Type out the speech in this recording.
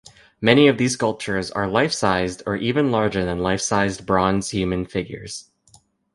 Many of these sculptures are life-sized or even larger than life-sized bronze human figures.